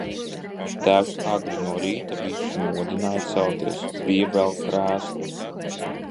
Tēvs agri no rīta visus modināja celties, bija vēl krēsla.